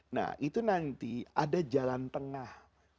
nah itu nanti ada jalan tengah